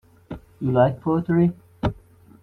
You like poetry?